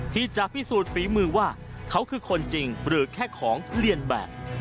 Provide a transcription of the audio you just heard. ที่จะพิสูจน์ฝีมือว่าเขาคือคนจริงหรือแค่ของเรียนแบบ